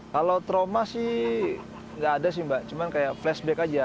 kalau trauma sih nggak ada sih mbak cuma kayak flashback aja